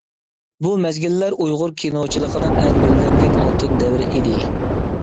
بۇ مەزگىللەر ئۇيغۇر كىنوچىلىقىنىڭ ئەڭ گۈللەنگەن ئالتۇن دەۋرى ئىدى.